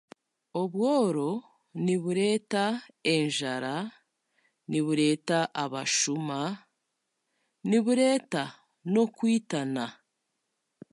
Obworo nibureeta enjara, nibureeta abashuma, nibureeta n'okwitana